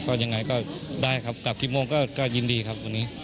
ก็ยังไงก็ได้ครับกลับกี่โมงก็ยินดีครับวันนี้